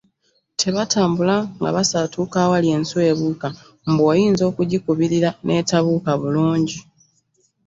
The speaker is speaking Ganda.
Tebatambula nga basaatuuka awali enswa ebuuka mbu oyinza okugikubirira n’etabuuka bulungi.